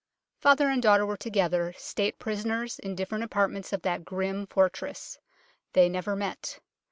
Father and daughter were together State prisoners in different apartments of that grim fortress. They never met.